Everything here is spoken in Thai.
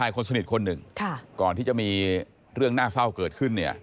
ก่อนที่จะมีเรื่องน่าเศร้าเกิดขึ้น